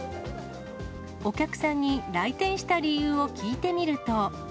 お客さんに来店した理由を聞いてみると。